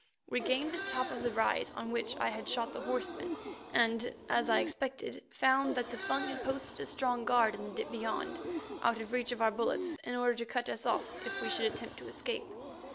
We gained the top of the rise on which I had shot the horseman, and, as I expected, found that the Fung had posted a strong guard in the dip beyond, out of reach of our bullets, in order to cut us off, should we attempt to escape.